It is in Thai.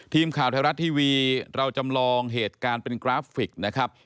ทีมข่าวไทยรัฐทีวีเราจำลองเหตุการณ์เป็นกราฟิกนะครับ